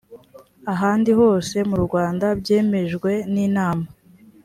ahandi hose mu rwanda byemejwe n’inama